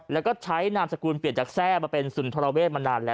แล้วก็ใช้นามสกุลเปลี่ยนจากแทร่มาเป็นสุนทรเวศมานานแล้ว